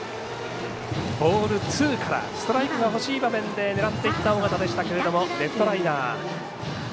ボールツーからストライクがほしい場面で狙っていった緒方でしたがレフトライナー。